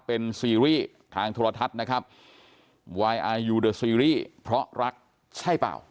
เป็นซีรีส์ทางโทรทัศน์นะครับวายอายุเดอร์ซีรีส์เพราะรักใช่เปล่า